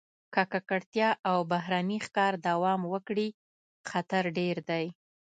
که ککړتیا او بهرني ښکار دوام وکړي، خطر ډېر دی.